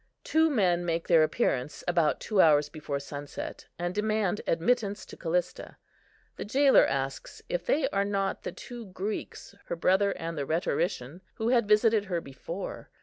Two men make their appearance about two hours before sunset, and demand admittance to Callista. The jailor asks if they are not the two Greeks, her brother and the rhetorician, who had visited her before.